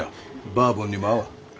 バーボンにも合うわ。